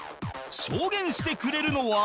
証言してくれるのは